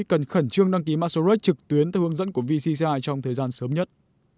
cần khẩn trương đăng ký mã số rex trực tuyến theo hướng dẫn của vcci trong thời gian sớm nhất